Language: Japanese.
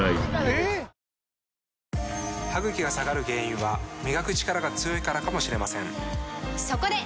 歯ぐきが下がる原因は磨くチカラが強いからかもしれませんそこで！